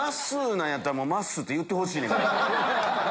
なんやったらまっすーって言ってほしいねん。